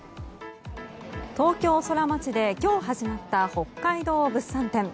東京ソラマチで今日始まった北海道物産展。